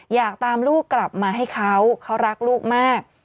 อยากตามลูกกลับมาให้เขาเขารักลูกมาก